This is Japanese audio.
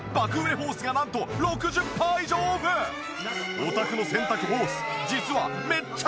お宅の洗濯ホース実はめっちゃ危険かも！